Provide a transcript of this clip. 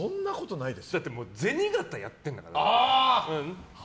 銭形やってるんだから。